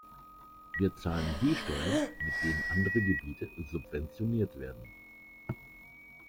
Wir zahlen die Steuern, mit denen andere Gebiete subventioniert werden.